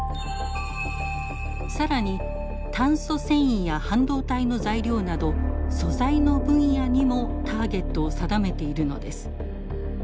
更に炭素繊維や半導体の材料など素材の分野にもターゲットを定めているのです。